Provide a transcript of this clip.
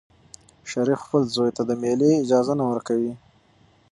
شریف خپل زوی ته د مېلې اجازه نه ورکوي.